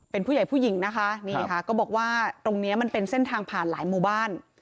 เป็นผู้ใหญ่ผู้หญิงนะคะนี่ค่ะก็บอกว่าตรงนี้มันเป็นเส้นทางผ่านหลายหมู่บ้าน